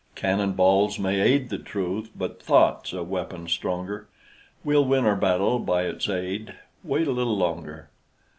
Cannon balls may aid the truth, But thought's a weapon stronger; We'll win our battle by its aid; Wait a little longer.